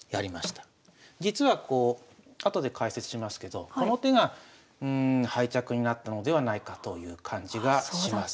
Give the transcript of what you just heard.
実はこう後で解説しますけどこの手が敗着になったのではないかという感じがします。